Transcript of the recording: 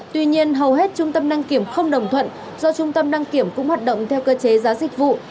tuy nhiên hầu hết trung tâm đăng kiểm không đồng thuận do trung tâm đăng kiểm cũng hoạt động theo cơ chế giá dịch vụ